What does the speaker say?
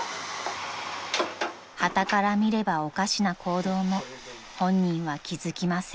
［はたから見ればおかしな行動も本人は気付きません］